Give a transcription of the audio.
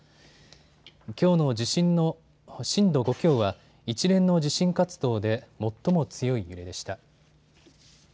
きょうの地震の震度５強は一連の地震活動で最も強い揺れでした。